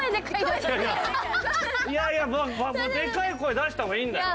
いやいやでかい声出した方がいいんだよ。